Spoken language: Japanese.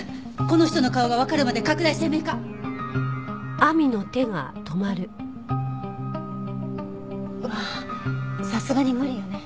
この人の顔がわかるまで拡大鮮明化！はさすがに無理よね。